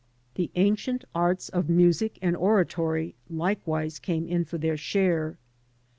The ancient arts of music and oratory likewise came in for their share.